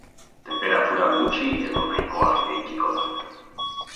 Tenperatura gutxi edo nahikoa jaitsiko da.